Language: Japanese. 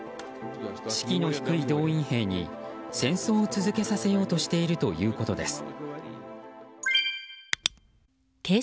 士気の低い動員兵に戦争を続けさせようとしているということです。